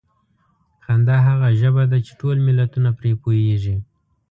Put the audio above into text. خندا هغه ژبه ده چې ټول ملتونه پرې پوهېږي.